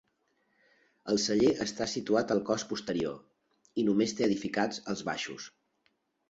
El celler està situat al cos posterior i només té edificats els baixos.